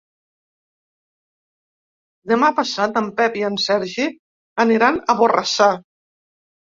Demà passat en Pep i en Sergi aniran a Borrassà.